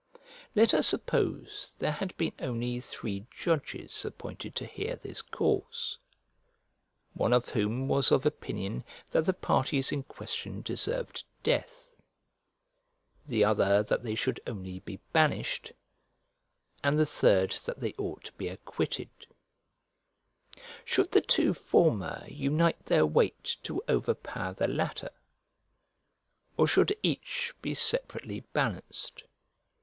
Let us suppose there had been only three judges appointed to hear this cause, one of whom was of opinion that the parties in question deserved death; the other that they should only be banished; and the third that they ought to be acquitted: should the two former unite their weight to overpower the latter, or should each be separately balanced?